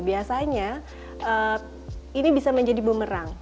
biasanya ini bisa menjadi bumerang